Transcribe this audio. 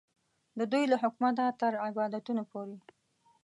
د دوی له حکومته تر عبادتونو پورې.